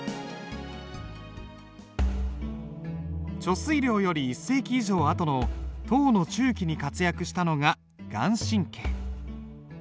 遂良より１世紀以上あとの唐の中期に活躍したのが顔真。